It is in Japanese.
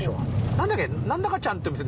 何だっけ。